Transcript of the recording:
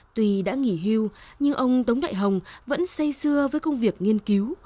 tuy đã nghỉ hưu nhưng ông tống đại hồng vẫn xây xưa với công việc nghiên cứu